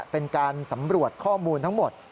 เป็นการสำรวจข้อมูลทั้งหมด